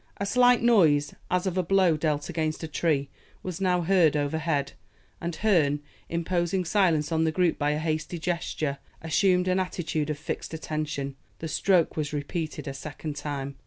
A slight noise, as of a blow dealt against a tree, was now heard overhead, and Herne, imposing silence on the group by a hasty gesture, assumed an attitude of fixed attention. The stroke was repeated a second time.